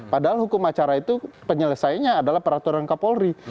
padahal hukum acara itu penyelesainya adalah peraturan kapolri